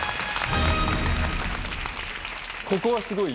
ここはすごい？